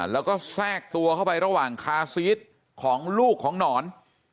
แล้วก็แทรกตัวเข้าไประหว่างคาซีสของลูกของหนอน